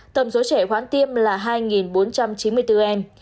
tổng số trẻ khoán tiêm là hai bốn trăm chín mươi bốn em